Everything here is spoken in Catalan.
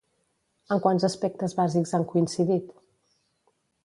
En quants aspectes bàsics han coincidit?